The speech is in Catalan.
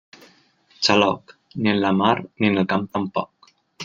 Xaloc, ni en la mar ni en el camp tampoc.